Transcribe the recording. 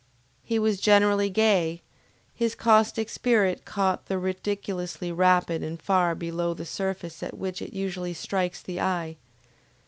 He was generally gay, his caustic spirit caught the ridiculous rapidly and far below the surface at which it usually strikes the eye.